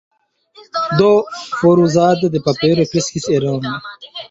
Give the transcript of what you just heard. Do foruzado de papero kreskis enorme.